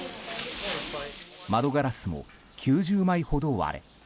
窓ガラスも９０枚ほど割れ